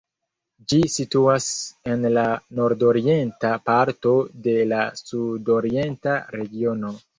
Ĝi situas en la nordorienta parto de la sudorienta regiono.